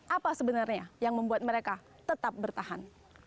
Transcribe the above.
apa sebenarnya yang membuat mereka tetap bertahan